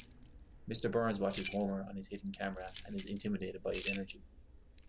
Mr. Burns watches Homer on his hidden camera, and is intimidated by his energy.